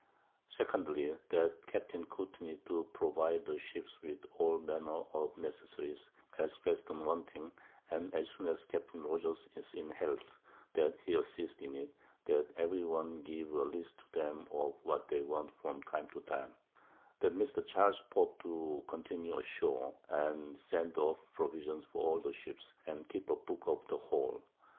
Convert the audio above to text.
_ [Sidenote: Transactions in Batavia Road.] 2dly, That Capt. Courtney do provide the Ships with all manner of Necessaries, as fast an wanting; and as soon as Captain Rogers is in Health, that he assist in it, and that every one give a List to 'em of what they want from time to time; that Mr. Charles Pope _do continue a shore, and send off Provisions for all the Ships, and keep a Book of the whole.